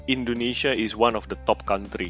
indonesia adalah salah satu negara tertinggi